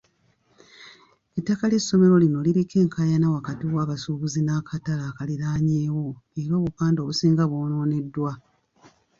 Ettaka ly'essomero lino liriko enkaayana wakati w'abasuubuzi n'akatale akaliraanyewo era obupande obusinga bwonooneddwa.